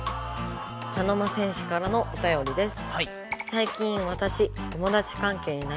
茶の間戦士からのおたよりです。